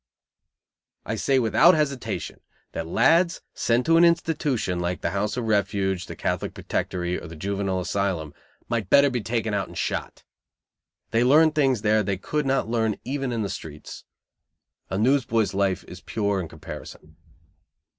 I say without hesitation that lads sent to an institution like the House of Refuge, the Catholic Protectory, or the Juvenile Asylum, might better be taken out and shot. They learn things there they could not learn even in the streets. The newsboy's life is pure in comparison.